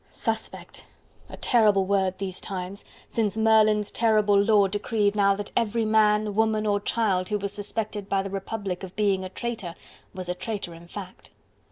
Suspect! a terrible word these times! since Merlin's terrible law decreed now that every man, woman or child, who was suspected by the Republic of being a traitor was a traitor in fact.